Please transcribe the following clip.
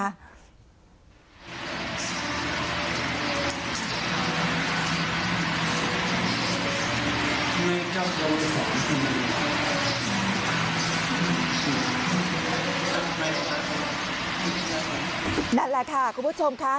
นั่นแหละค่ะคุณผู้ชมค่ะ